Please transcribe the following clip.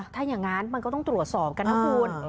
ถ้าอย่างนั้นมันก็ต้องตรวจสอบกันนะคุณ